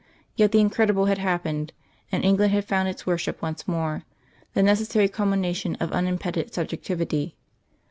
Yet the incredible had happened; and England had found its worship once more the necessary culmination of unimpeded subjectivity.